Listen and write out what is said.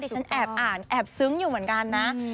ฉันแอบอ่านแอบซึ้งอยู่เหมือนกันนะ